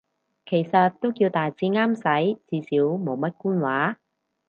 其實都叫大致啱使，至少冇乜官話